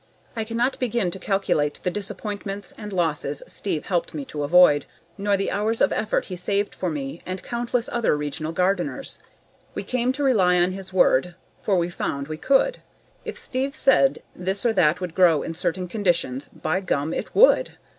I cannot begin to calculate the disappointments and losses Steve helped me to avoid, nor the hours of effort he saved for me and countless other regional gardeners. We came to rely on his word, for we found we could; If Steve said this or that would grow in certain conditions, by gum, it would.